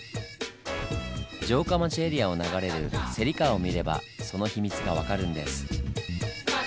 城下町エリアを流れる芹川を見ればその秘密が分かるんです。